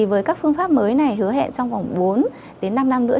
với các phương pháp mới này hứa hẹn trong vòng bốn đến năm năm nữa